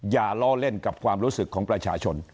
อย่าล้อเล่นกับความรู้สึกของประชาชน